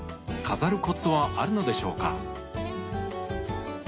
飾るコツはあるのでしょうか？